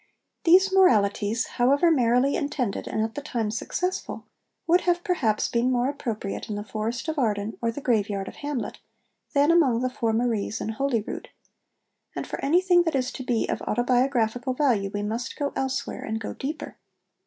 These moralities, however merrily intended and at the time successful, would have perhaps been more appropriate in the Forest of Arden or the graveyard of Hamlet, than among the four Maries in Holyrood; and for anything that is to be of autobiographical value we must go elsewhere and go deeper.